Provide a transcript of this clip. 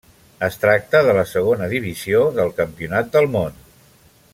Es tracta de la segona divisió del campionat del món.